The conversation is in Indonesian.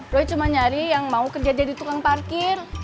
gue cuma nyari yang mau kerja jadi tukang parkir